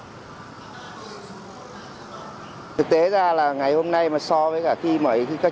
vì vậy là tuy là các trường đồng vào tổ chức khai giảng